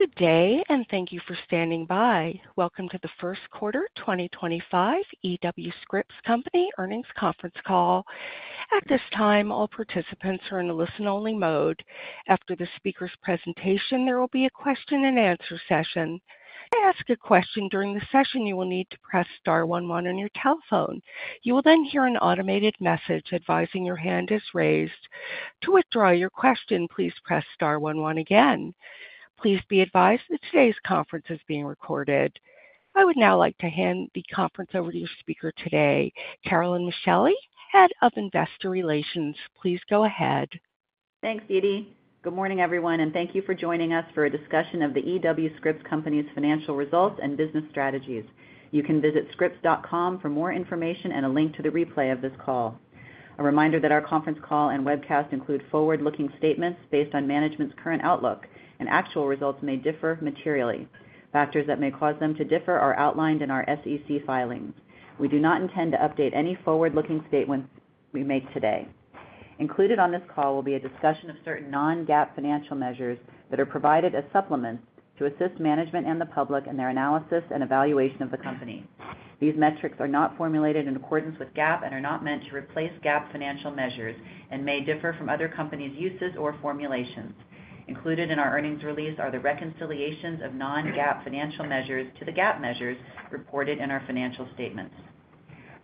Good day, and thank you for standing by. Welcome to the First Quarter 2025 E.W. Scripps Company Earnings Conference Call. At this time, all participants are in a listen-only mode. After the speaker's presentation, there will be a question-and-answer session. To ask a question during the session, you will need to press star one one on your telephone. You will then hear an automated message advising your hand is raised. To withdraw your question, please press star one one again. Please be advised that today's conference is being recorded. I would now like to hand the conference over to your speaker today, Carolyn Micheli, Head of Investor Relations. Please go ahead. Thanks, Edie. Good morning, everyone, and thank you for joining us for a discussion of the E.W. Scripps Company's Financial Results and Business Strategies. You can visit scripps.com for more information and a link to the replay of this call. A reminder that our conference call and webcast include forward-looking statements based on management's current outlook, and actual results may differ materially. Factors that may cause them to differ are outlined in our SEC filings. We do not intend to update any forward-looking statements we make today. Included on this call will be a discussion of certain non-GAAP financial measures that are provided as supplements to assist management and the public in their analysis and evaluation of the company. These metrics are not formulated in accordance with GAAP and are not meant to replace GAAP financial measures and may differ from other companies' uses or formulations. Included in our earnings release are the reconciliations of non-GAAP financial measures to the GAAP measures reported in our financial statements.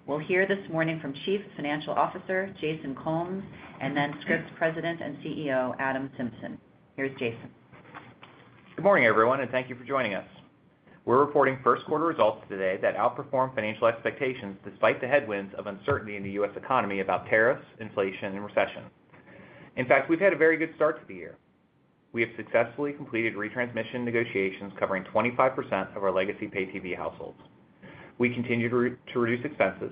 We'll hear this morning from Chief Financial Officer Jason Combs and then Scripps President and CEO Adam Symson. Here's Jason. Good morning, everyone, and thank you for joining us. We're reporting first-quarter results today that outperform financial expectations despite the headwinds of uncertainty in the U.S. economy about tariffs, inflation, and recession. In fact, we've had a very good start to the year. We have successfully completed retransmission negotiations covering 25% of our legacy pay-TV households. We continue to reduce expenses.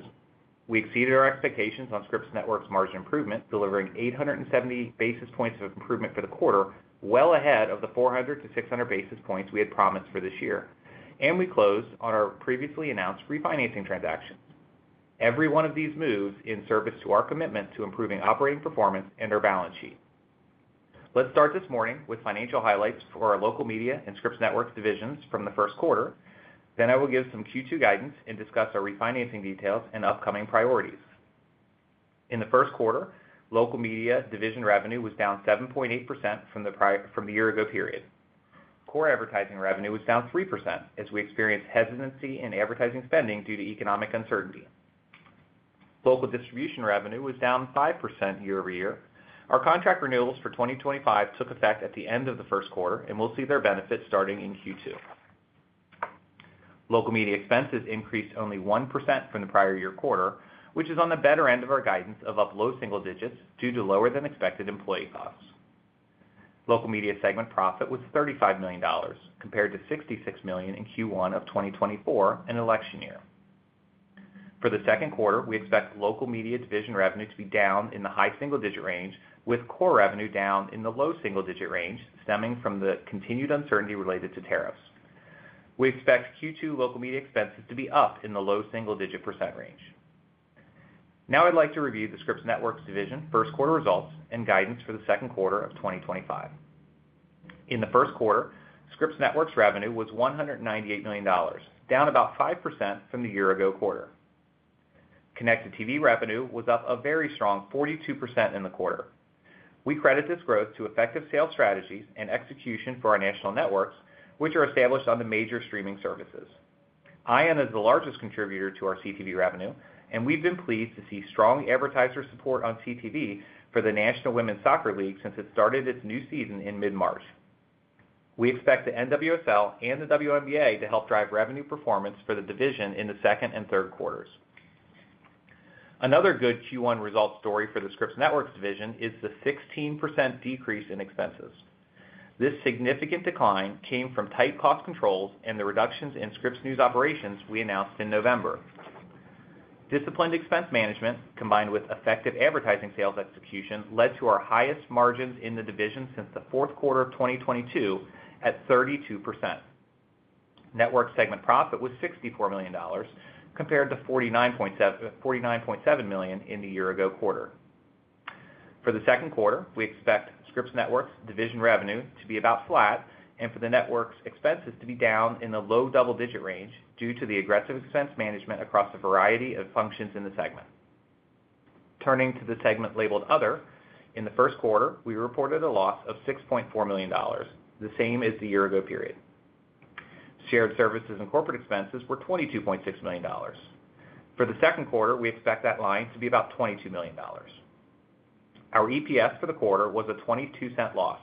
We exceeded our expectations on Scripps Networks' margin improvement, delivering 870 basis points of improvement for the quarter, well ahead of the 400-600 basis points we had promised for this year. We closed on our previously announced refinancing transactions. Every one of these moves is in service to our commitment to improving operating performance and our balance sheet. Let's start this morning with financial highlights for our local media and Scripps Networks divisions from the first quarter. I will give some Q2 guidance and discuss our refinancing details and upcoming priorities. In the first quarter, local media division revenue was down 7.8% from the year-ago period. Core advertising revenue was down 3% as we experienced hesitancy in advertising spending due to economic uncertainty. Local distribution revenue was down 5% year-over-year. Our contract renewals for 2025 took effect at the end of the first quarter, and we'll see their benefits starting in Q2. Local media expenses increased only 1% from the prior year quarter, which is on the better end of our guidance of up low single digits due to lower-than-expected employee costs. Local media segment profit was $35 million, compared to $66 million in Q1 of 2024, an election year. For the second quarter, we expect local media division revenue to be down in the high single-digit range, with core revenue down in the low single-digit range, stemming from the continued uncertainty related to tariffs. We expect Q2 local media expenses to be up in the low single-digit % range. Now I'd like to review the Scripps Networks division first-quarter results and guidance for the second quarter of 2025. In the first quarter, Scripps Networks revenue was $198 million, down about 5% from the year-ago quarter. Connected TV revenue was up a very strong 42% in the quarter. We credit this growth to effective sales strategies and execution for our national networks, which are established on the major streaming services. ION is the largest contributor to our CTV revenue, and we've been pleased to see strong advertiser support on CTV for the National Women's Soccer League since it started its new season in mid-March. We expect the NWSL and the WNBA to help drive revenue performance for the division in the second and third quarters. Another good Q1 results story for the Scripps Networks division is the 16% decrease in expenses. This significant decline came from tight cost controls and the reductions in Scripps News operations we announced in November. Disciplined expense management, combined with effective advertising sales execution, led to our highest margins in the division since the fourth quarter of 2022 at 32%. Network segment profit was $64 million, compared to $49.7 million in the year-ago quarter. For the second quarter, we expect Scripps Networks division revenue to be about flat and for the networks expenses to be down in the low double-digit range due to the aggressive expense management across a variety of functions in the segment. Turning to the segment labeled Other, in the first quarter, we reported a loss of $6.4 million, the same as the year-ago period. Shared services and corporate expenses were $22.6 million. For the second quarter, we expect that line to be about $22 million. Our EPS for the quarter was a 22-cent loss.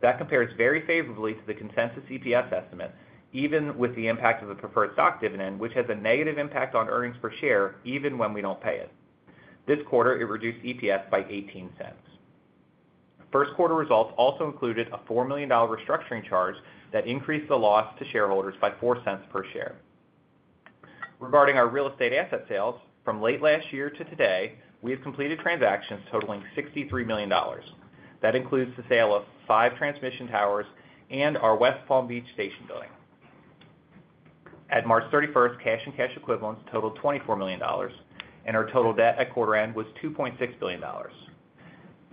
That compares very favorably to the consensus EPS estimate, even with the impact of the preferred stock dividend, which has a negative impact on earnings per share even when we do not pay it. This quarter, it reduced EPS by 18 cents. First-quarter results also included a $4 million restructuring charge that increased the loss to shareholders by $0.04 per share. Regarding our real estate asset sales, from late last year to today, we have completed transactions totaling $63 million. That includes the sale of five transmission towers and our West Palm Beach station building. At March 31, cash and cash equivalents totaled $24 million, and our total debt at quarter-end was $2.6 billion.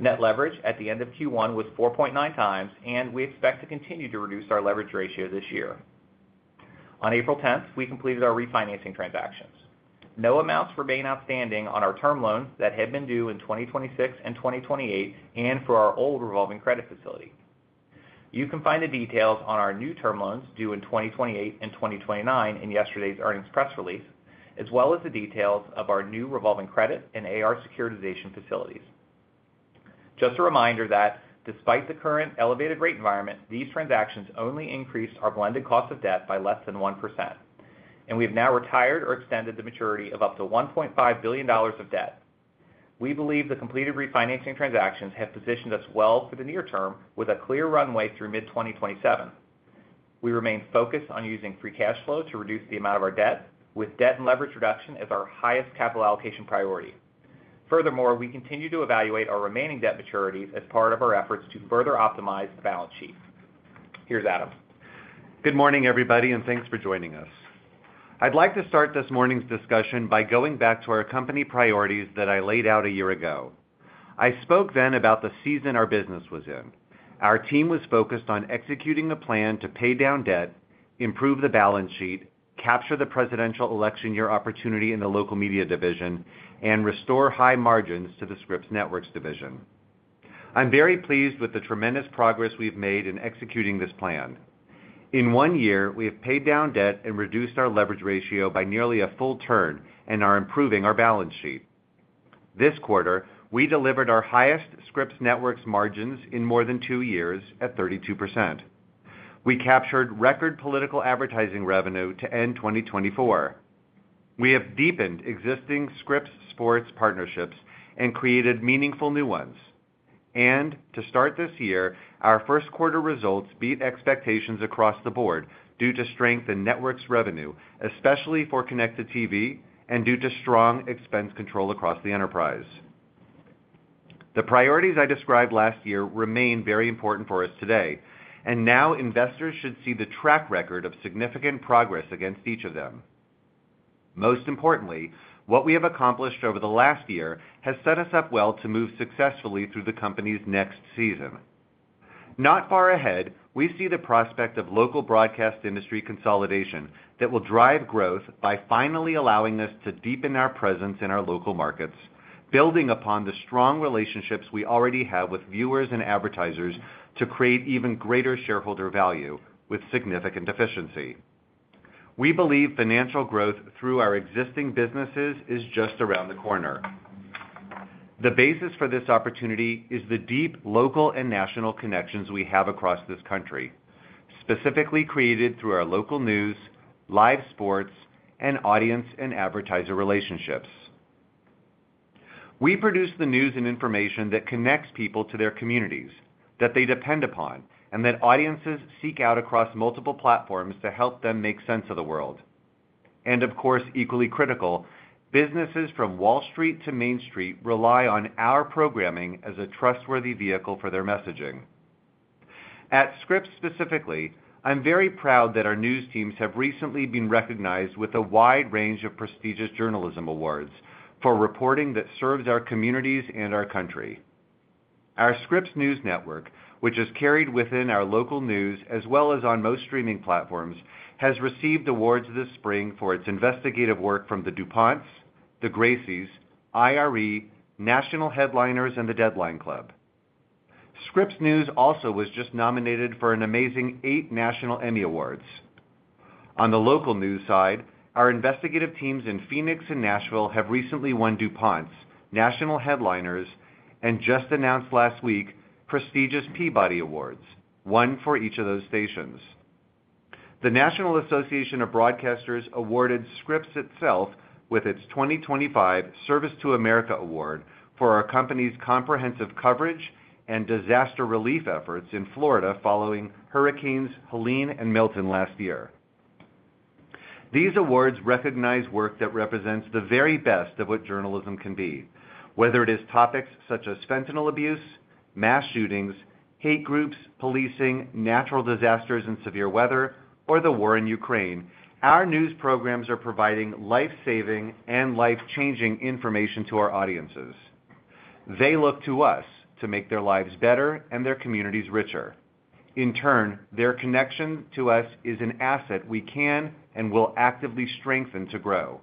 Net leverage at the end of Q1 was 4.9 times, and we expect to continue to reduce our leverage ratio this year. On April 10, we completed our refinancing transactions. No amounts remain outstanding on our term loans that had been due in 2026 and 2028 and for our old revolving credit facility. You can find the details on our new term loans due in 2028 and 2029 in yesterday's earnings press release, as well as the details of our new revolving credit and AR securitization facilities. Just a reminder that, despite the current elevated rate environment, these transactions only increased our blended cost of debt by less than 1%, and we have now retired or extended the maturity of up to $1.5 billion of debt. We believe the completed refinancing transactions have positioned us well for the near term with a clear runway through mid-2027. We remain focused on using free cash flow to reduce the amount of our debt, with debt and leverage reduction as our highest capital allocation priority. Furthermore, we continue to evaluate our remaining debt maturities as part of our efforts to further optimize the balance sheet. Here's Adam. Good morning, everybody, and thanks for joining us. I'd like to start this morning's discussion by going back to our company priorities that I laid out a year ago. I spoke then about the season our business was in. Our team was focused on executing a plan to pay down debt, improve the balance sheet, capture the presidential election year opportunity in the local media division, and restore high margins to the Scripps Networks division. I'm very pleased with the tremendous progress we've made in executing this plan. In one year, we have paid down debt and reduced our leverage ratio by nearly a full turn and are improving our balance sheet. This quarter, we delivered our highest Scripps Networks margins in more than two years at 32%. We captured record political advertising revenue to end 2024. We have deepened existing Scripps Sports partnerships and created meaningful new ones. To start this year, our first-quarter results beat expectations across the board due to strength in network's revenue, especially for connected TV, and due to strong expense control across the enterprise. The priorities I described last year remain very important for us today, and now investors should see the track record of significant progress against each of them. Most importantly, what we have accomplished over the last year has set us up well to move successfully through the company's next season. Not far ahead, we see the prospect of local broadcast industry consolidation that will drive growth by finally allowing us to deepen our presence in our local markets, building upon the strong relationships we already have with viewers and advertisers to create even greater shareholder value with significant efficiency. We believe financial growth through our existing businesses is just around the corner. The basis for this opportunity is the deep local and national connections we have across this country, specifically created through our local news, live sports, and audience and advertiser relationships. We produce the news and information that connects people to their communities, that they depend upon, and that audiences seek out across multiple platforms to help them make sense of the world. Of course, equally critical, businesses from Wall Street to Main Street rely on our programming as a trustworthy vehicle for their messaging. At Scripps specifically, I'm very proud that our news teams have recently been recognized with a wide range of prestigious journalism awards for reporting that serves our communities and our country. Our Scripps News Network, which is carried within our local news as well as on most streaming platforms, has received awards this spring for its investigative work from the DuPont, the Gracies, IRE, National Headliners, and the Deadline Club. Scripps News also was just nominated for an amazing eight national Emmy Awards. On the local news side, our investigative teams in Phoenix and Nashville have recently won DuPont, National Headliners, and just announced last week prestigious Peabody Awards, one for each of those stations. The National Association of Broadcasters awarded Scripps itself with its 2025 Service to America Award for our company's comprehensive coverage and disaster relief efforts in Florida following hurricanes Helene and Milton last year. These awards recognize work that represents the very best of what journalism can be. Whether it is topics such as fentanyl abuse, mass shootings, hate groups, policing, natural disasters and severe weather, or the war in Ukraine, our news programs are providing life-saving and life-changing information to our audiences. They look to us to make their lives better and their communities richer. In turn, their connection to us is an asset we can and will actively strengthen to grow.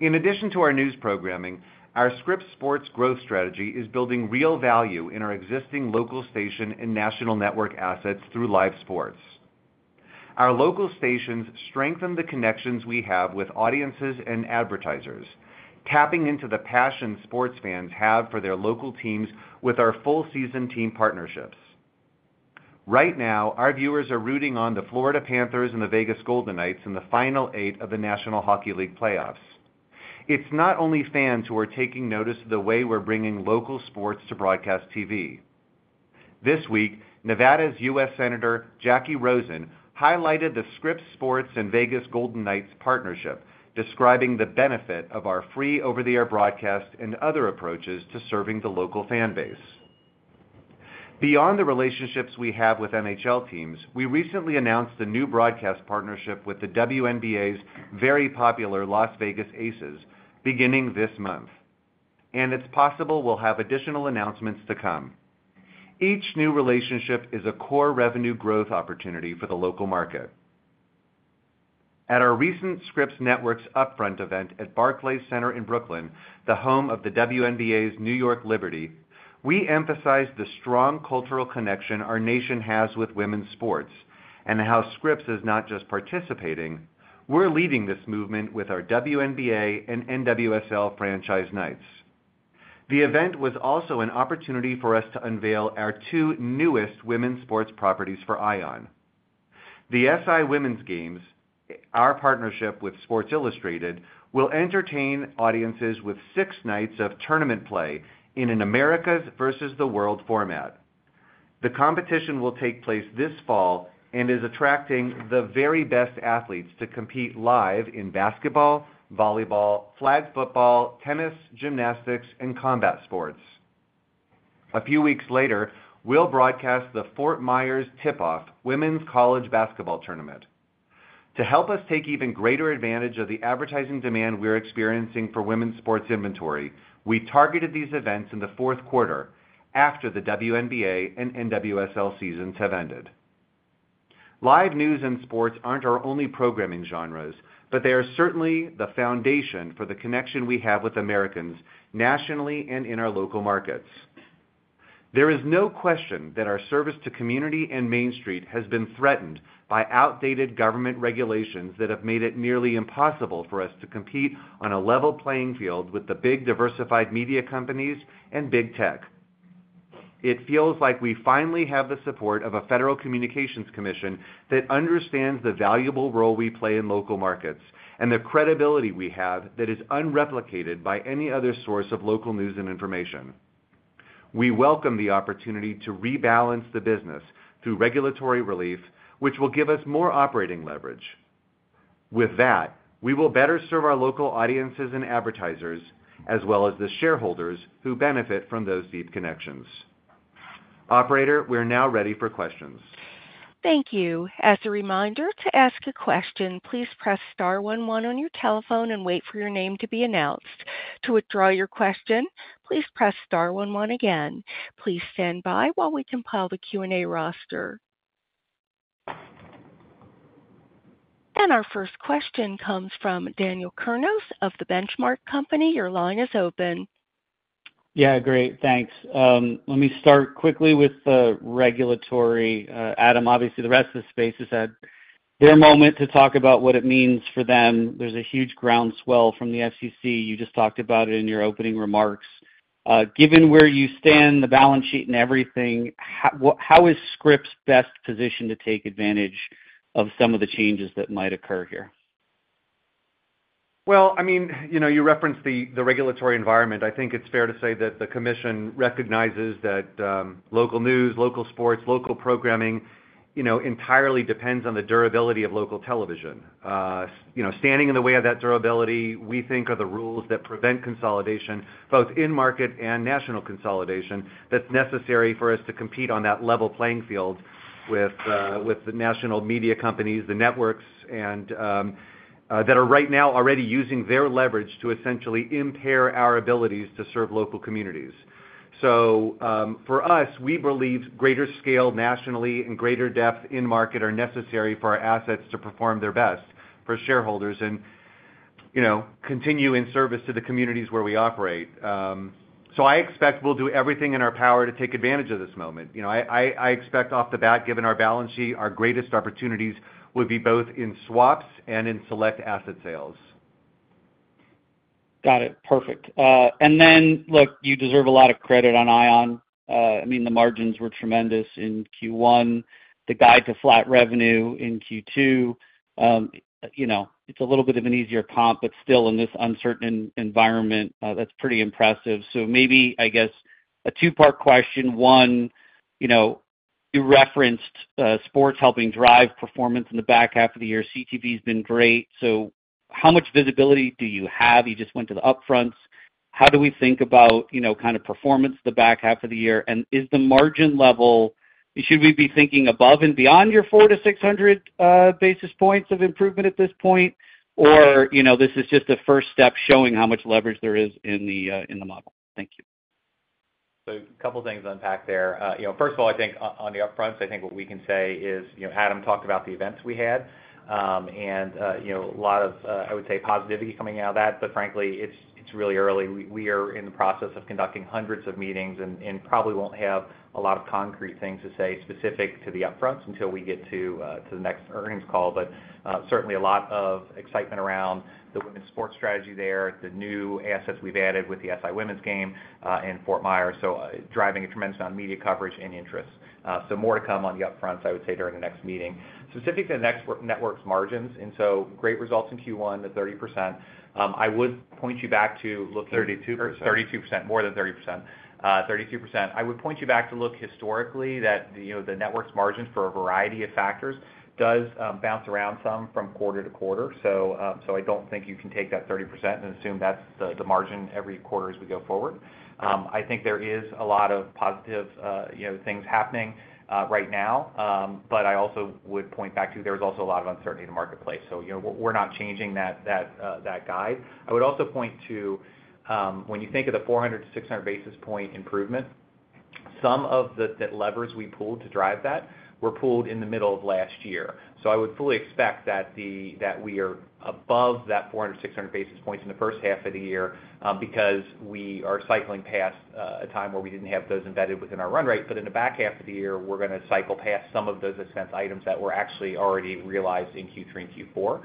In addition to our news programming, our Scripps Sports growth strategy is building real value in our existing local station and national network assets through live sports. Our local stations strengthen the connections we have with audiences and advertisers, tapping into the passion sports fans have for their local teams with our full-season team partnerships. Right now, our viewers are rooting on the Florida Panthers and the Vegas Golden Knights in the final eight of the National Hockey League playoffs. It's not only fans who are taking notice of the way we're bringing local sports to broadcast TV. This week, Nevada's U.S. Senator Jackie Rosen highlighted the Scripps Sports and Vegas Golden Knights partnership, describing the benefit of our free over-the-air broadcast and other approaches to serving the local fan base. Beyond the relationships we have with NHL teams, we recently announced a new broadcast partnership with the WNBA's very popular Las Vegas Aces, beginning this month. It's possible we'll have additional announcements to come. Each new relationship is a core revenue growth opportunity for the local market. At our recent Scripps Networks Upfront event at Barclays Center in Brooklyn, the home of the WNBA's New York Liberty, we emphasized the strong cultural connection our nation has with women's sports and how Scripps is not just participating; we're leading this movement with our WNBA and NWSL franchise Knights. The event was also an opportunity for us to unveil our two newest women's sports properties for ION. The SI Women's Games, our partnership with Sports Illustrated, will entertain audiences with six nights of tournament play in an America's versus the world format. The competition will take place this fall and is attracting the very best athletes to compete live in basketball, volleyball, flag football, tennis, gymnastics, and combat sports. A few weeks later, we'll broadcast the Fort Myers Tip-Off Women's College Basketball Tournament. To help us take even greater advantage of the advertising demand we're experiencing for women's sports inventory, we targeted these events in the fourth quarter after the WNBA and NWSL seasons have ended. Live news and sports aren't our only programming genres, but they are certainly the foundation for the connection we have with Americans nationally and in our local markets. There is no question that our service to community and Main Street has been threatened by outdated government regulations that have made it nearly impossible for us to compete on a level playing field with the big diversified media companies and big tech. It feels like we finally have the support of a Federal Communications Commission that understands the valuable role we play in local markets and the credibility we have that is unreplicated by any other source of local news and information. We welcome the opportunity to rebalance the business through regulatory relief, which will give us more operating leverage. With that, we will better serve our local audiences and advertisers, as well as the shareholders who benefit from those deep connections. Operator, we're now ready for questions. Thank you. As a reminder, to ask a question, please press star one one on your telephone and wait for your name to be announced. To withdraw your question, please press star one one again. Please stand by while we compile the Q&A roster. Our first question comes from Daniel Kurnos of Benchmark Co Your line is open. Yeah, great. Thanks. Let me start quickly with the regulatory. Adam, obviously, the rest of the space has had their moment to talk about what it means for them. There's a huge groundswell from the FCC. You just talked about it in your opening remarks. Given where you stand, the balance sheet, and everything, how is Scripps best positioned to take advantage of some of the changes that might occur here? I mean, you referenced the regulatory environment. I think it's fair to say that the commission recognizes that local news, local sports, local programming entirely depends on the durability of local television. Standing in the way of that durability, we think, are the rules that prevent consolidation, both in-market and national consolidation, that's necessary for us to compete on that level playing field with the national media companies, the networks, and that are right now already using their leverage to essentially impair our abilities to serve local communities. For us, we believe greater scale nationally and greater depth in market are necessary for our assets to perform their best for shareholders and continue in service to the communities where we operate. I expect we'll do everything in our power to take advantage of this moment. I expect off the bat, given our balance sheet, our greatest opportunities would be both in swaps and in select asset sales. Got it. Perfect. And then, look, you deserve a lot of credit on ION. I mean, the margins were tremendous in Q1, the guide to flat revenue in Q2. It is a little bit of an easier comp, but still, in this uncertain environment, that is pretty impressive. Maybe, I guess, a two-part question. One, you referenced sports helping drive performance in the back half of the year. CTV has been great. How much visibility do you have? You just went to the upfronts. How do we think about kind of performance the back half of the year? Is the margin level, should we be thinking above and beyond your 400-600 basis points of improvement at this point, or is this just a first step showing how much leverage there is in the model? Thank you. A couple of things to unpack there. First of all, I think on the upfronts, I think what we can say is Adam talked about the events we had and a lot of, I would say, positivity coming out of that. Frankly, it's really early. We are in the process of conducting hundreds of meetings and probably won't have a lot of concrete things to say specific to the upfronts until we get to the next earnings call. Certainly, a lot of excitement around the women's sports strategy there, the new assets we've added with the SI Women's Game and Fort Myers. Driving a tremendous amount of media coverage and interest. More to come on the upfronts, I would say, during the next meeting. Specific to the network's margins, great results in Q1, the 30%. I would point you back to looking. 32%. 32%. More than 30%. 32%. I would point you back to look historically that the network's margin for a variety of factors does bounce around some from quarter to quarter. I do not think you can take that 30% and assume that's the margin every quarter as we go forward. I think there is a lot of positive things happening right now. I also would point back to there is also a lot of uncertainty in the marketplace. We are not changing that guide. I would also point to when you think of the 400-600 basis point improvement, some of the levers we pulled to drive that were pulled in the middle of last year. I would fully expect that we are above that 400-600 basis points in the first half of the year because we are cycling past a time where we did not have those embedded within our run rate. In the back half of the year, we are going to cycle past some of those expense items that were actually already realized in Q3 and Q4.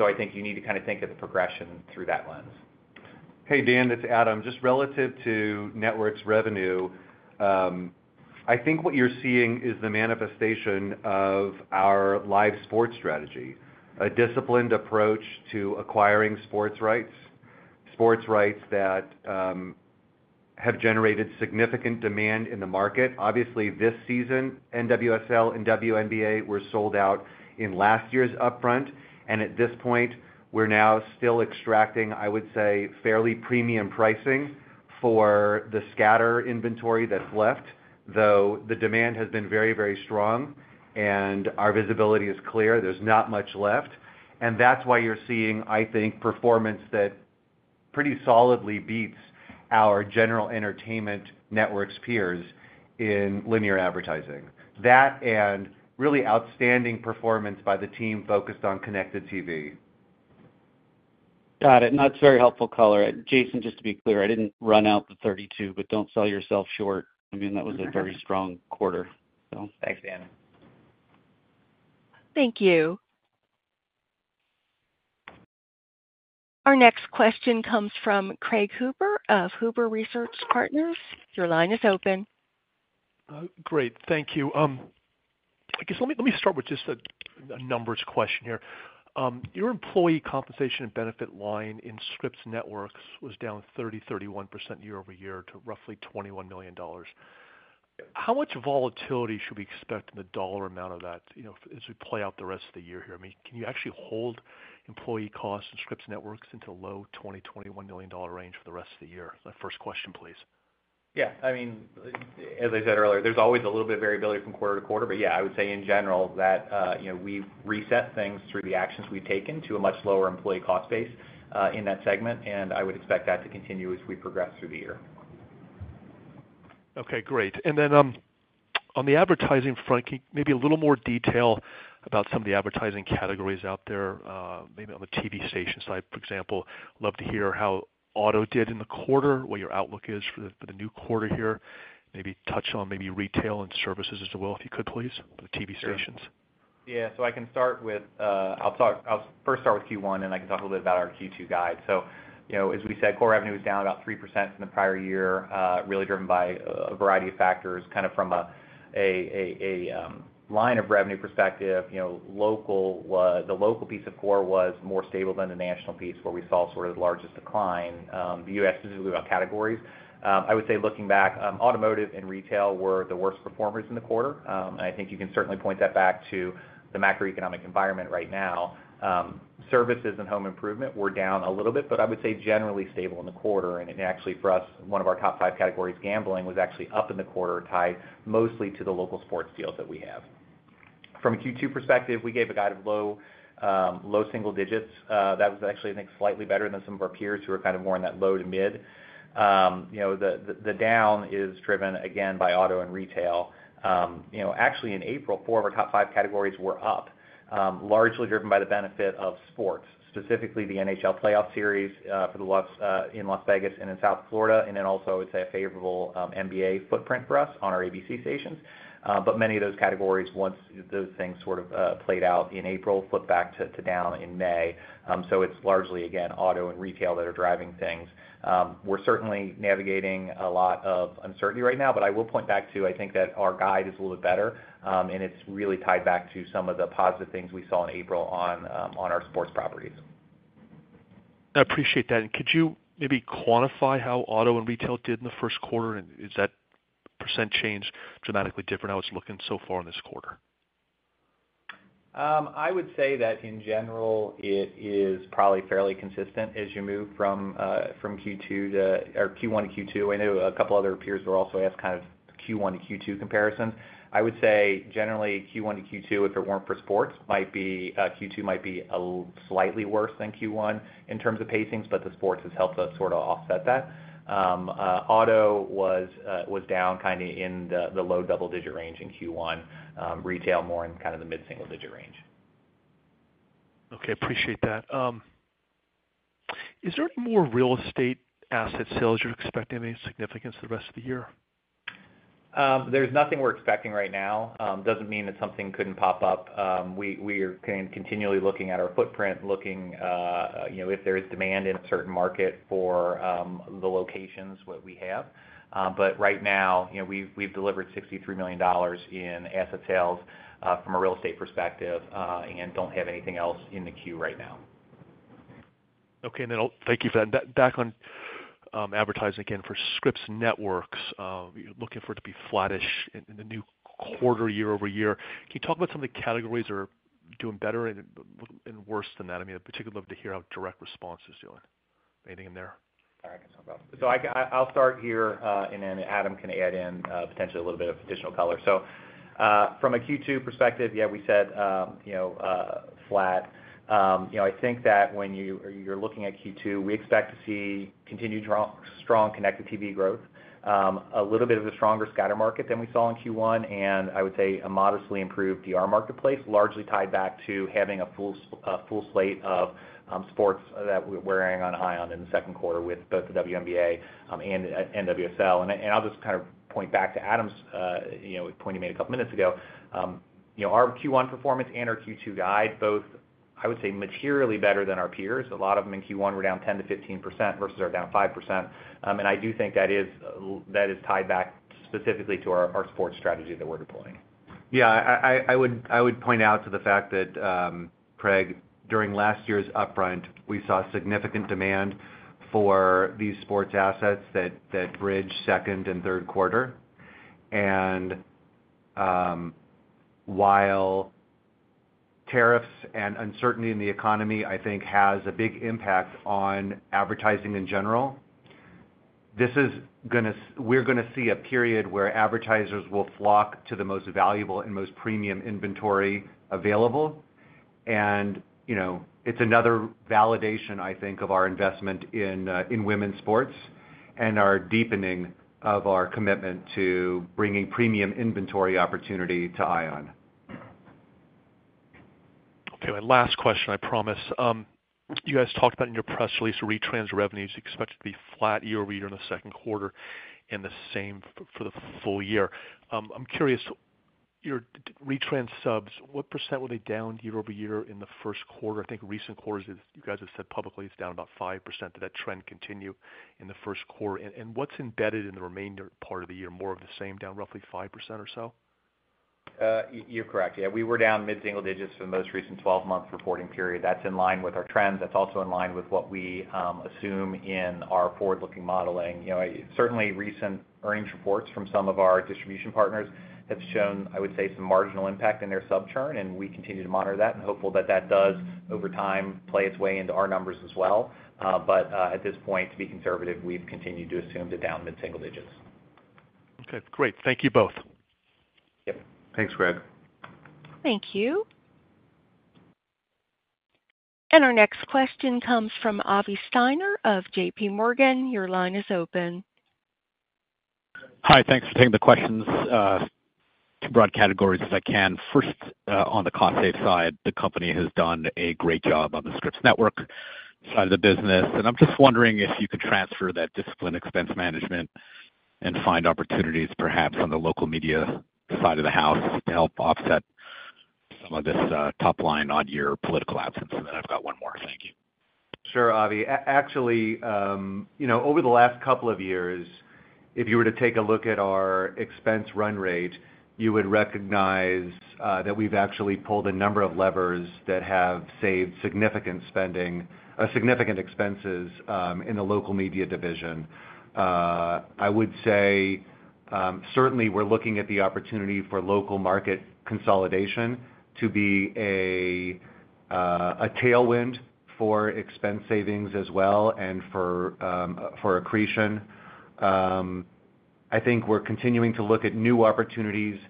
I think you need to kind of think of the progression through that lens. Hey, Dan, it's Adam. Just relative to networks revenue, I think what you're seeing is the manifestation of our live sports strategy, a disciplined approach to acquiring sports rights, sports rights that have generated significant demand in the market. Obviously, this season, NWSL and WNBA were sold out in last year's upfront. At this point, we're now still extracting, I would say, fairly premium pricing for the scatter inventory that's left, though the demand has been very, very strong and our visibility is clear. There's not much left. That's why you're seeing, I think, performance that pretty solidly beats our general entertainment networks peers in linear advertising. That and really outstanding performance by the team focused on connected TV. Got it. That's very helpful, Color. Jason, just to be clear, I didn't run out the 32, but don't sell yourself short. I mean, that was a very strong quarter. Thanks, Dan. Thank you. Our next question comes from Craig Huber of Huber Research Partners. Your line is open. Great. Thank you. I guess let me start with just a numbers question here. Your employee compensation and benefit line in Scripps Networks was down 30%-31% year over year to roughly $21 million. How much volatility should we expect in the dollar amount of that as we play out the rest of the year here? I mean, can you actually hold employee costs in Scripps Networks into a low $20-$21 million range for the rest of the year? My first question, please. Yeah. I mean, as I said earlier, there is always a little bit of variability from quarter to quarter. Yeah, I would say in general that we reset things through the actions we have taken to a much lower employee cost base in that segment. I would expect that to continue as we progress through the year. Okay. Great. On the advertising front, maybe a little more detail about some of the advertising categories out there, maybe on the TV station side, for example. Love to hear how auto did in the quarter, what your outlook is for the new quarter here. Maybe touch on retail and services as well if you could, please, for the TV stations. Yeah. I can start with I'll first start with Q1, and I can talk a little bit about our Q2 guide. As we said, core revenue was down about 3% from the prior year, really driven by a variety of factors kind of from a line of revenue perspective. The local piece of core was more stable than the national piece where we saw sort of the largest decline. The U.S., specifically about categories, I would say looking back, automotive and retail were the worst performers in the quarter. I think you can certainly point that back to the macroeconomic environment right now. Services and home improvement were down a little bit, but I would say generally stable in the quarter. Actually, for us, one of our top five categories, gambling, was actually up in the quarter, tied mostly to the local sports deals that we have. From a Q2 perspective, we gave a guide of low single digits. That was actually, I think, slightly better than some of our peers who are kind of more in that low to mid. The down is driven, again, by auto and retail. Actually, in April, four of our top five categories were up, largely driven by the benefit of sports, specifically the NHL playoff series in Las Vegas and in South Florida, and then also, I would say, a favorable NBA footprint for us on our ABC stations. Many of those categories, once those things sort of played out in April, flipped back to down in May. It is largely, again, auto and retail that are driving things. We're certainly navigating a lot of uncertainty right now. I will point back to, I think, that our guide is a little bit better, and it's really tied back to some of the positive things we saw in April on our sports properties. I appreciate that. Could you maybe quantify how auto and retail did in the first quarter? Is that percent change dramatically different how it's looking so far in this quarter? I would say that in general, it is probably fairly consistent as you move from Q1 to Q2. I know a couple of other peers were also asked kind of Q1 to Q2 comparisons. I would say, generally, Q1 to Q2, if it were not for sports, Q2 might be slightly worse than Q1 in terms of pacings, but the sports has helped us sort of offset that. Auto was down kind of in the low double-digit range in Q1, retail more in kind of the mid-single-digit range. Okay. Appreciate that. Is there any more real estate asset sales you're expecting to be significant for the rest of the year? There's nothing we're expecting right now. Doesn't mean that something couldn't pop up. We are continually looking at our footprint, looking if there is demand in a certain market for the locations that we have. Right now, we've delivered $63 million in asset sales from a real estate perspective and don't have anything else in the queue right now. Okay. Thank you for that. Back on advertising again for Scripps Networks. You're looking for it to be flattish in the new quarter year-over-year. Can you talk about some of the categories that are doing better and worse than that? I mean, I'd particularly love to hear how direct response is doing. Anything in there? All right. I'll start here, and then Adam can add in potentially a little bit of additional color. From a Q2 perspective, yeah, we said flat. I think that when you're looking at Q2, we expect to see continued strong connected TV growth, a little bit of a stronger scatter market than we saw in Q1, and I would say a modestly improved DR marketplace, largely tied back to having a full slate of sports that we're airing on ION in the second quarter with both the WNBA and NWSL. I'll just kind of point back to Adam's point he made a couple of minutes ago. Our Q1 performance and our Q2 guide, both, I would say, materially better than our peers. A lot of them in Q1 were down 10-15% versus our down 5%. I do think that is tied back specifically to our sports strategy that we're deploying. Yeah. I would point out to the fact that, Craig, during last year's upfront, we saw significant demand for these sports assets that bridged second and third quarter. While tariffs and uncertainty in the economy, I think, has a big impact on advertising in general, we're going to see a period where advertisers will flock to the most valuable and most premium inventory available. It is another validation, I think, of our investment in women's sports and our deepening of our commitment to bringing premium inventory opportunity to ION. Okay. My last question, I promise. You guys talked about in your press release retrans revenues. You expect it to be flat year-over-year in the second quarter and the same for the full year. I'm curious, your retrans subs, what percent were they down year over year in the first quarter? I think recent quarters, you guys have said publicly, it's down about 5%. Did that trend continue in the first quarter? What's embedded in the remainder part of the year, more of the same, down roughly 5% or so? You're correct. Yeah. We were down mid-single digits for the most recent 12-month reporting period. That's in line with our trends. That's also in line with what we assume in our forward-looking modeling. Certainly, recent earnings reports from some of our distribution partners have shown, I would say, some marginal impact in their subturn, and we continue to monitor that and hopeful that that does, over time, play its way into our numbers as well. At this point, to be conservative, we've continued to assume to down mid-single digits. Okay. Great. Thank you both. Yep. Thanks, Craig. Thank you. Our next question comes from Avi Steiner of JPMorgan. Your line is open. Hi. Thanks for taking the questions. Two broad categories as I can. First, on the cost-save side, the company has done a great job on the Scripps Network side of the business. I'm just wondering if you could transfer that discipline expense management and find opportunities, perhaps, on the local media side of the house to help offset some of this top line on your political absence. I have one more. Thank you. Sure, Avi. Actually, over the last couple of years, if you were to take a look at our expense run rate, you would recognize that we've actually pulled a number of levers that have saved significant spending, significant expenses in the local media division. I would say, certainly, we're looking at the opportunity for local market consolidation to be a tailwind for expense savings as well and for accretion. I think we're continuing to look at new opportunities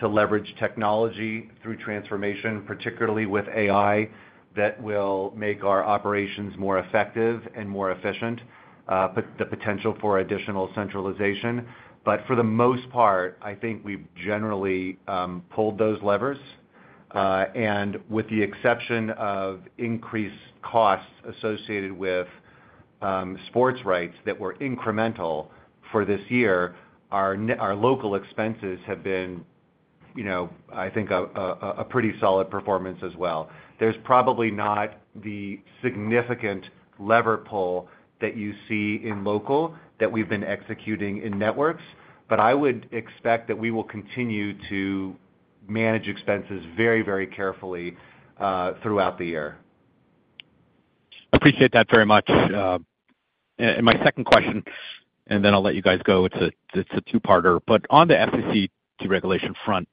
to leverage technology through transformation, particularly with AI, that will make our operations more effective and more efficient, the potential for additional centralization. For the most part, I think we've generally pulled those levers. With the exception of increased costs associated with sports rights that were incremental for this year, our local expenses have been, I think, a pretty solid performance as well. There's probably not the significant lever pull that you see in local that we've been executing in networks. I would expect that we will continue to manage expenses very, very carefully throughout the year. I appreciate that very much. My second question, and then I'll let you guys go. It's a two-parter. On the FCC deregulation front,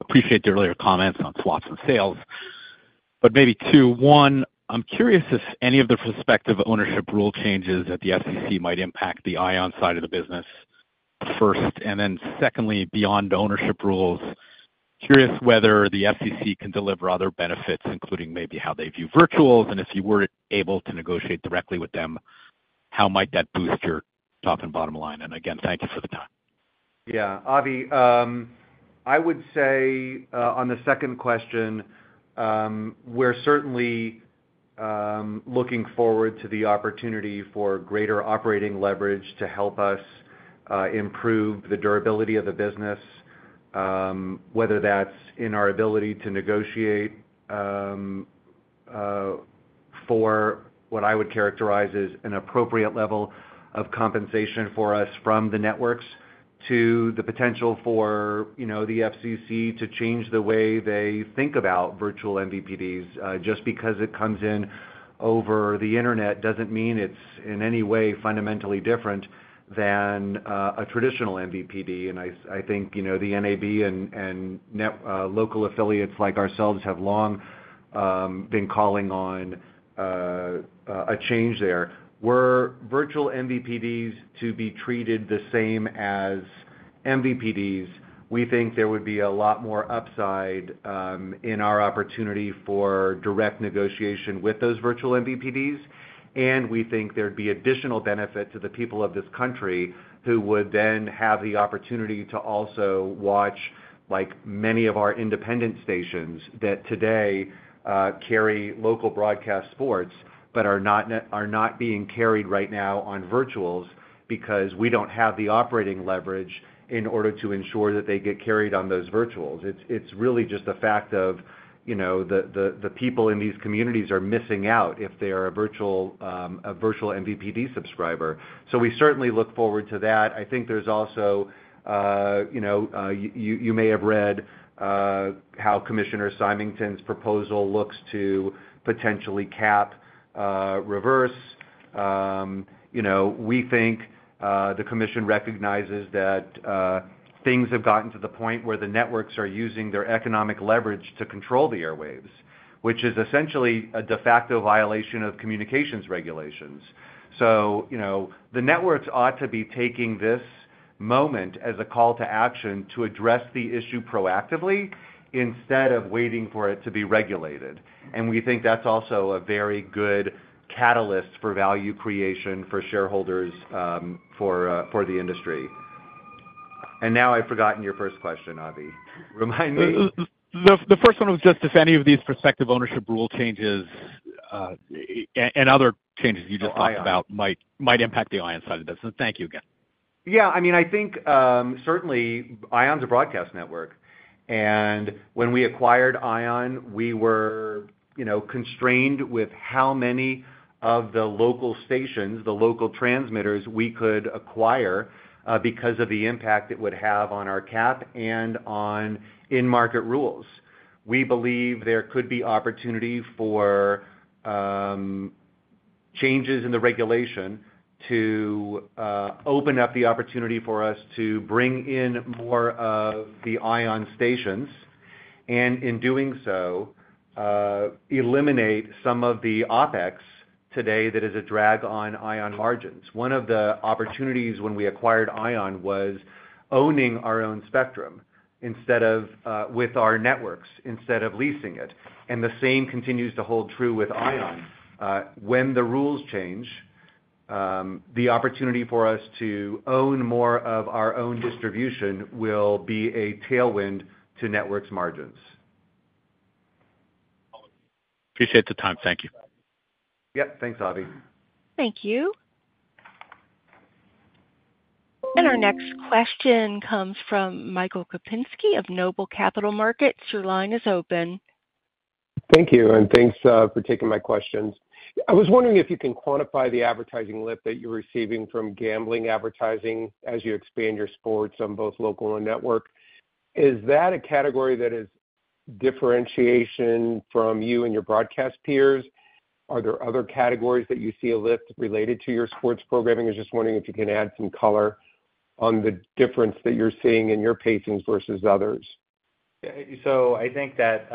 appreciate the earlier comments on swaps and sales. Maybe two. One, I'm curious if any of the prospective ownership rule changes at the FCC might impact the ION side of the business first. Secondly, beyond ownership rules, curious whether the FCC can deliver other benefits, including maybe how they view virtuals. If you were able to negotiate directly with them, how might that boost your top and bottom line? Again, thank you for the time. Yeah. Avi, I would say on the second question, we're certainly looking forward to the opportunity for greater operating leverage to help us improve the durability of the business, whether that's in our ability to negotiate for what I would characterize as an appropriate level of compensation for us from the networks to the potential for the FCC to change the way they think about virtual MVPDs. Just because it comes in over the internet doesn't mean it's in any way fundamentally different than a traditional MVPD. I think the N.A.B. and local affiliates like ourselves have long been calling on a change there. Were virtual MVPDs to be treated the same as MVPDs, we think there would be a lot more upside in our opportunity for direct negotiation with those virtual MVPDs. We think there would be additional benefit to the people of this country who would then have the opportunity to also watch many of our independent stations that today carry local broadcast sports but are not being carried right now on virtuals because we do not have the operating leverage in order to ensure that they get carried on those virtuals. It is really just a fact of the people in these communities are missing out if they are a virtual MVPD subscriber. We certainly look forward to that. I think there is also, you may have read how Commissioner Symington's proposal looks to potentially cap reverse. We think the commission recognizes that things have gotten to the point where the networks are using their economic leverage to control the airwaves, which is essentially a de facto violation of communications regulations. The networks ought to be taking this moment as a call to action to address the issue proactively instead of waiting for it to be regulated. We think that's also a very good catalyst for value creation for shareholders, for the industry. Now I've forgotten your first question, Avi. Remind me. The first one was just if any of these prospective ownership rule changes and other changes you just talked about might impact the ION side of the business. Thank you again. Yeah. I mean, I think certainly, ION's a broadcast network. When we acquired ION, we were constrained with how many of the local stations, the local transmitters we could acquire because of the impact it would have on our cap and on in-market rules. We believe there could be opportunity for changes in the regulation to open up the opportunity for us to bring in more of the ION stations and, in doing so, eliminate some of the OpEx today that is a drag on ION margins. One of the opportunities when we acquired ION was owning our own spectrum with our networks instead of leasing it. The same continues to hold true with ION. When the rules change, the opportunity for us to own more of our own distribution will be a tailwind to networks' margins. Appreciate the time. Thank you. Yep. Thanks, Avi. Thank you. Our next question comes from Michael Kupinski of Noble Capital Markets. Your line is open. Thank you. Thanks for taking my questions. I was wondering if you can quantify the advertising lift that you're receiving from gambling advertising as you expand your sports on both local and network. Is that a category that is differentiation from you and your broadcast peers? Are there other categories that you see a lift related to your sports programming? I was just wondering if you can add some color on the difference that you're seeing in your pacings versus others. I think that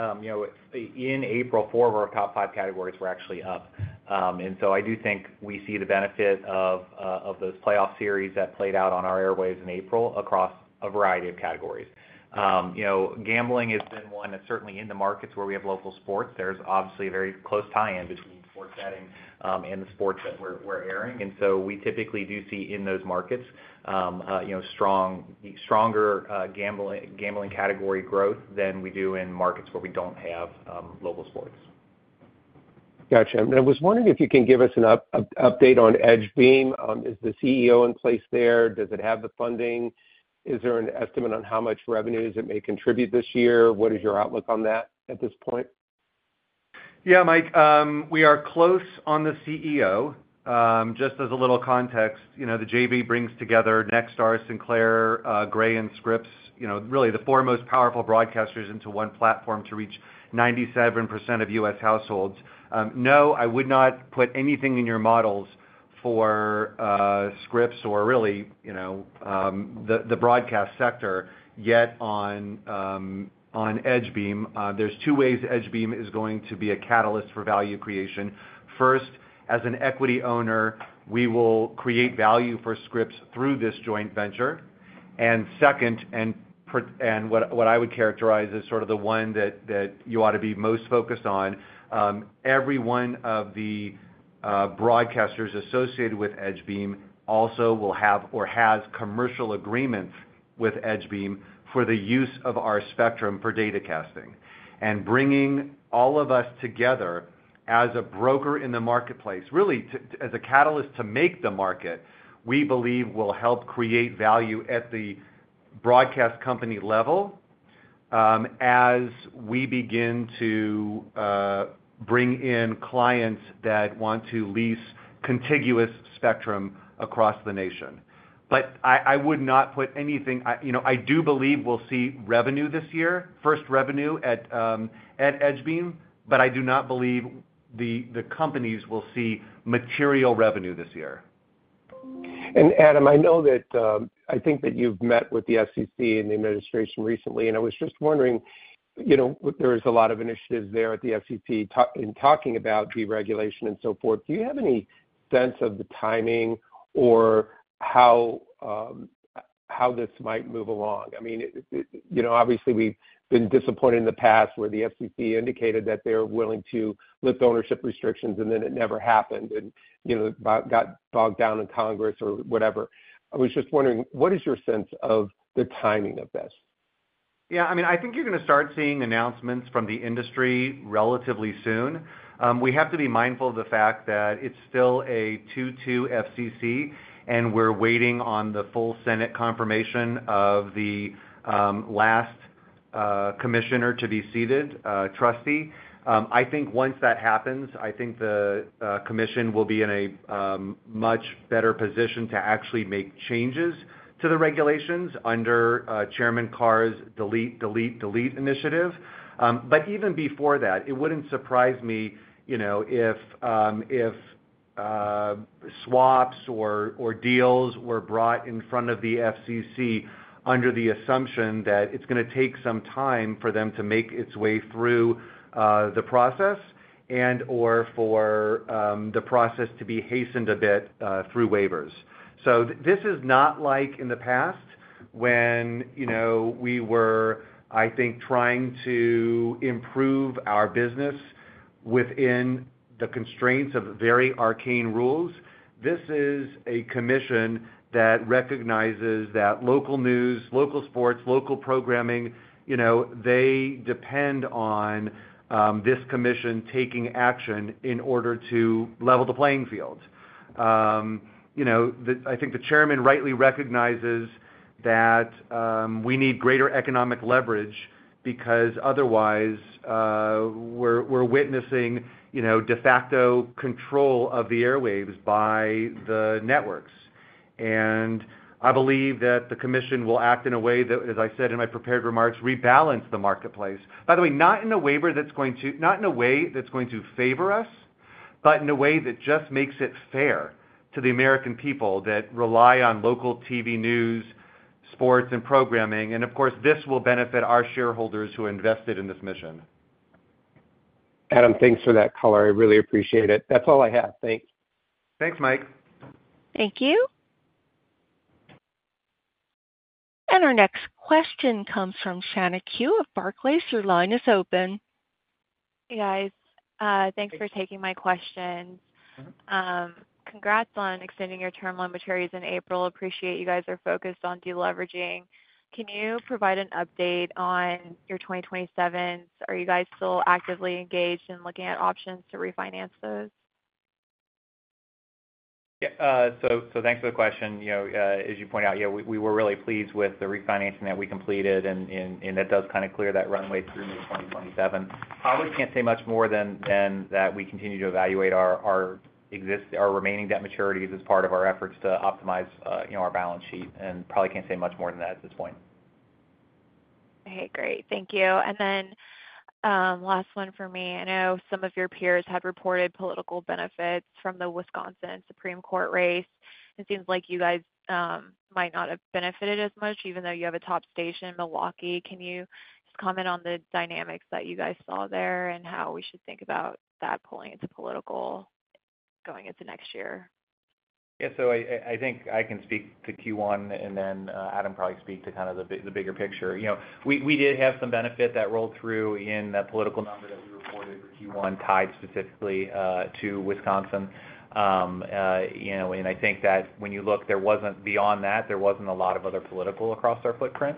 in April, four of our top five categories were actually up. I do think we see the benefit of those playoff series that played out on our airwaves in April across a variety of categories. Gambling has been one that's certainly in the markets where we have local sports. There's obviously a very close tie-in between sports betting and the sports that we're airing. We typically do see in those markets stronger gambling category growth than we do in markets where we don't have local sports. Gotcha. I was wondering if you can give us an update on Edge Beam. Is the CEO in place there? Does it have the funding? Is there an estimate on how much revenues it may contribute this year? What is your outlook on that at this point? Yeah, Mike. We are close on the CEO. Just as a little context, the J.B. brings together Next, RS Sinclair, Gray, and Scripps—really, the four most powerful broadcasters into one platform to reach 97% of U.S. households. No, I would not put anything in your models for Scripps or really the broadcast sector yet on Edge Beam. There are two ways Edge Beam is going to be a catalyst for value creation. First, as an equity owner, we will create value for Scripps through this joint venture. Second, and what I would characterize as sort of the one that you ought to be most focused on, every one of the broadcasters associated with Edge Beam also will have or has commercial agreements with Edge Beam for the use of our spectrum for data casting. Bringing all of us together as a broker in the marketplace, really as a catalyst to make the market, we believe will help create value at the broadcast company level as we begin to bring in clients that want to lease contiguous spectrum across the nation. I would not put anything—I do believe we'll see revenue this year, first revenue at Edge Beam, but I do not believe the companies will see material revenue this year. Adam, I think that you've met with the FCC and the administration recently. I was just wondering, there was a lot of initiatives there at the FCC in talking about deregulation and so forth. Do you have any sense of the timing or how this might move along? I mean, obviously, we've been disappointed in the past where the FCC indicated that they're willing to lift ownership restrictions, and then it never happened and got bogged down in Congress or whatever. I was just wondering, what is your sense of the timing of this? Yeah. I mean, I think you're going to start seeing announcements from the industry relatively soon. We have to be mindful of the fact that it's still a 2-2 FCC, and we're waiting on the full Senate confirmation of the last commissioner to be seated, trustee. I think once that happens, I think the commission will be in a much better position to actually make changes to the regulations under Chairman Carr's delete, delete, delete initiative. Even before that, it wouldn't surprise me if swaps or deals were brought in front of the FCC under the assumption that it's going to take some time for them to make its way through the process and/or for the process to be hastened a bit through waivers. This is not like in the past when we were, I think, trying to improve our business within the constraints of very arcane rules. This is a commission that recognizes that local news, local sports, local programming, they depend on this commission taking action in order to level the playing field. I think the chairman rightly recognizes that we need greater economic leverage because otherwise we're witnessing de facto control of the airwaves by the networks. I believe that the commission will act in a way that, as I said in my prepared remarks, rebalance the marketplace. By the way, not in a way that's going to favor us, but in a way that just makes it fair to the American people that rely on local TV news, sports, and programming. Of course, this will benefit our shareholders who invested in this mission. Adam, thanks for that color. I really appreciate it. That's all I have. Thanks. Thanks, Mike. Thank you. Our next question comes from Shanna Qiu of Barclays. Your line is open. Hey, guys. Thanks for taking my questions. Congrats on extending your term on materials in April. Appreciate you guys are focused on deleveraging. Can you provide an update on your 2027? Are you guys still actively engaged in looking at options to refinance those? Yeah. Thanks for the question. As you point out, yeah, we were really pleased with the refinancing that we completed, and that does kind of clear that runway through May 2027. Probably can't say much more than that we continue to evaluate our remaining debt maturities as part of our efforts to optimize our balance sheet and probably can't say much more than that at this point. Okay. Great. Thank you. Last one for me. I know some of your peers had reported political benefits from the Wisconsin Supreme Court race. It seems like you guys might not have benefited as much, even though you have a top station, Milwaukee. Can you just comment on the dynamics that you guys saw there and how we should think about that pulling into political going into next year? Yeah. I think I can speak to Q1, and then Adam can probably speak to kind of the bigger picture. We did have some benefit that rolled through in that political number that we reported for Q1 tied specifically to Wisconsin. I think that when you look, beyond that, there was not a lot of other political across our footprint.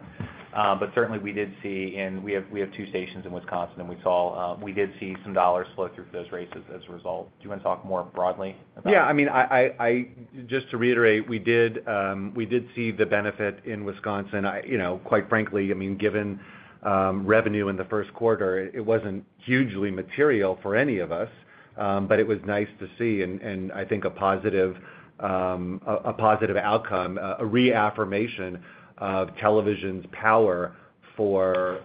Certainly, we did see—and we have two stations in Wisconsin—and we did see some dollars flow through those races as a result. Do you want to talk more broadly about it? Yeah. I mean, just to reiterate, we did see the benefit in Wisconsin. Quite frankly, given revenue in the first quarter, it was not hugely material for any of us, but it was nice to see and I think a positive outcome, a reaffirmation of television's power for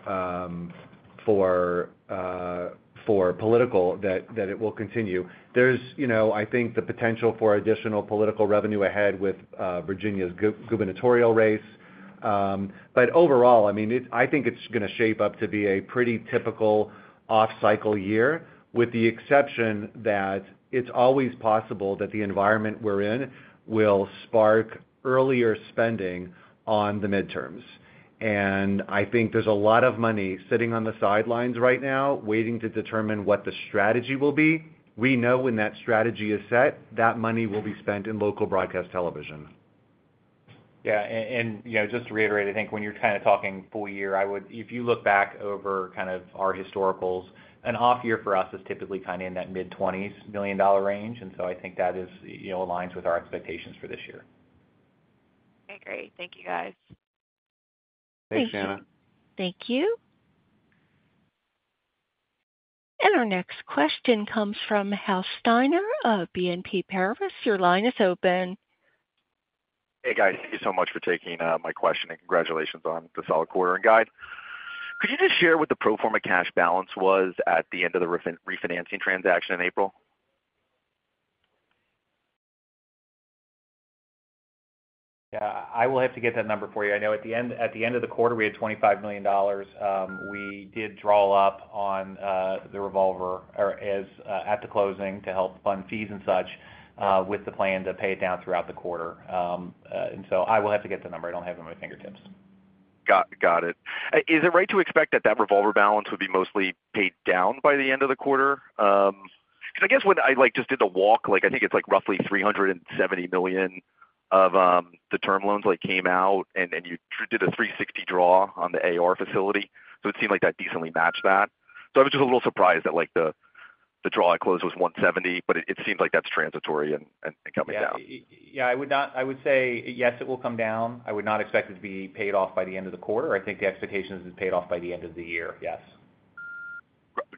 political that it will continue. There's, I think, the potential for additional political revenue ahead with Virginia's gubernatorial race. Overall, I mean, I think it's going to shape up to be a pretty typical off-cycle year with the exception that it's always possible that the environment we're in will spark earlier spending on the midterms. I think there's a lot of money sitting on the sidelines right now waiting to determine what the strategy will be. We know when that strategy is set, that money will be spent in local broadcast television. Yeah. Just to reiterate, I think when you're kind of talking full year, if you look back over kind of our historicals, an off-year for us is typically kind of in that mid-$20 million range. I think that aligns with our expectations for this year. Okay. Great. Thank you, guys. Thanks, Shanna. Thank you. Our next question comes from Hal Steiner, BNP Paribas. Your line is open. Hey, guys. Thank you so much for taking my question and congratulations on the solid quarter and guide. Could you just share what the pro forma cash balance was at the end of the refinancing transaction in April? Yeah. I will have to get that number for you. I know at the end of the quarter, we had $25 million. We did draw up on the revolver at the closing to help fund fees and such with the plan to pay it down throughout the quarter. I will have to get the number. I don't have it on my fingertips. Got it. Is it right to expect that that revolver balance would be mostly paid down by the end of the quarter? Because I guess when I just did the walk, I think it's roughly $370 million of the term loans came out, and you did a $360 million draw on the AR facility. It seemed like that decently matched that. I was just a little surprised that the draw at close was $170 million, but it seems like that's transitory and coming down. Yeah. I would say, yes, it will come down. I would not expect it to be paid off by the end of the quarter. I think the expectation is it's paid off by the end of the year. Yes.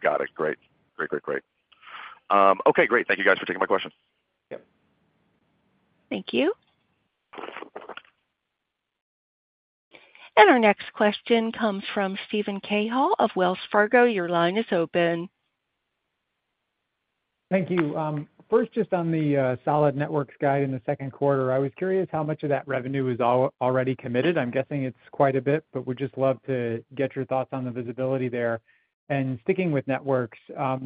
Got it. Great. Okay. Thank you, guys, for taking my questions. Yep. Thank you. Our next question comes from Steven Cahall of Wells Fargo. Your line is open. Thank you. First, just on the solid networks guide in the second quarter, I was curious how much of that revenue is already committed. I'm guessing it's quite a bit, but would just love to get your thoughts on the visibility there. Sticking with networks, I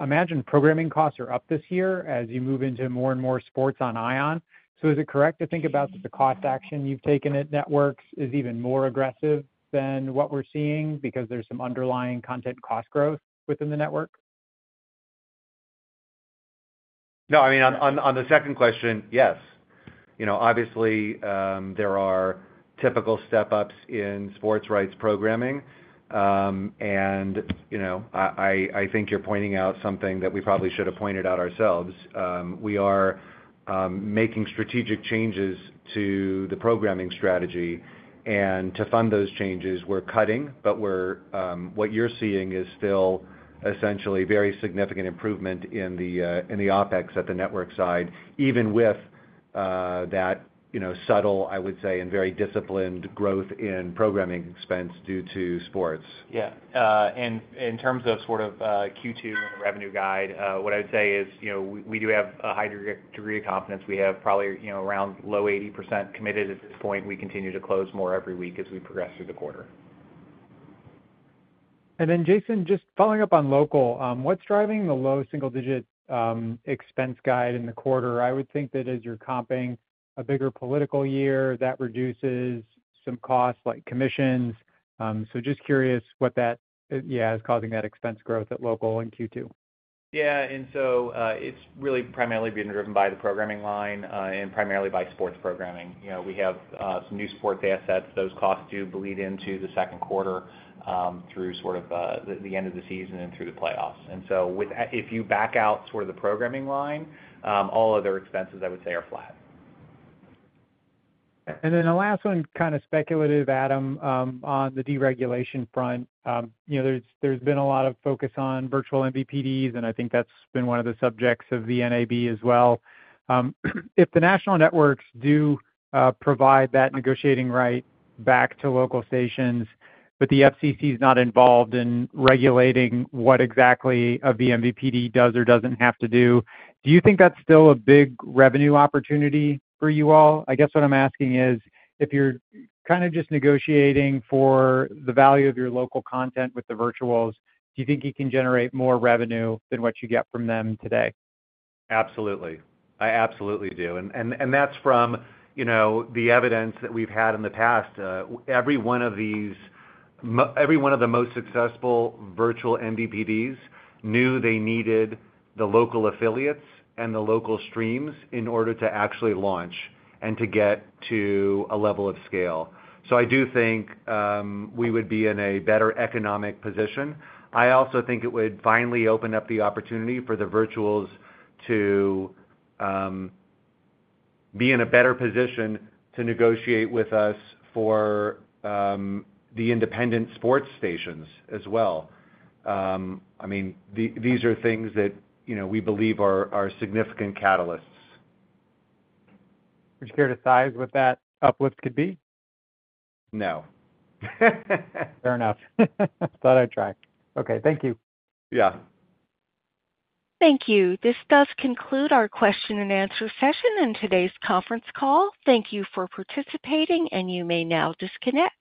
imagine programming costs are up this year as you move into more and more sports on ION. Is it correct to think about that the cost action you've taken at networks is even more aggressive than what we're seeing because there's some underlying content cost growth within the network? No. I mean, on the second question, yes. Obviously, there are typical step-ups in sports rights programming. I think you're pointing out something that we probably should have pointed out ourselves. We are making strategic changes to the programming strategy. To fund those changes, we're cutting, but what you're seeing is still essentially very significant improvement in the OpEx at the network side, even with that subtle, I would say, and very disciplined growth in programming expense due to sports. Yeah. In terms of sort of Q2 and the revenue guide, what I would say is we do have a high degree of confidence. We have probably around low 80% committed at this point. We continue to close more every week as we progress through the quarter. Jason, just following up on local, what's driving the low single-digit expense guide in the quarter? I would think that as you're comping a bigger political year, that reduces some costs like commissions. Just curious what that, yeah, is causing that expense growth at local in Q2. Yeah. It is really primarily being driven by the programming line and primarily by sports programming. We have some new sports assets. Those costs do bleed into the second quarter through sort of the end of the season and through the playoffs. If you back out sort of the programming line, all other expenses, I would say, are flat. The last one, kind of speculative, Adam, on the deregulation front, there has been a lot of focus on virtual MVPDs, and I think that has been one of the subjects of the NAB as well. If the national networks do provide that negotiating right back to local stations, but the FCC is not involved in regulating what exactly a virtual MVPD does or does not have to do, do you think that is still a big revenue opportunity for you all? I guess what I am asking is, if you are kind of just negotiating for the value of your local content with the virtuals, do you think you can generate more revenue than what you get from them today? Absolutely. I absolutely do. That's from the evidence that we've had in the past. Every one of these, every one of the most successful virtual MVPDs knew they needed the local affiliates and the local streams in order to actually launch and to get to a level of scale. I do think we would be in a better economic position. I also think it would finally open up the opportunity for the virtuals to be in a better position to negotiate with us for the independent sports stations as well. I mean, these are things that we believe are significant catalysts. Would you care to size what that uplift could be? No. Fair enough. Thought I'd try. Okay. Thank you. Yeah. Thank you. This does conclude our question and answer session and today's conference call. Thank you for participating, and you may now disconnect.